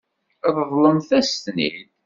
Ṛeḍlemt-as-ten-id.